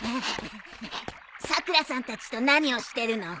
さくらさんたちと何をしてるの？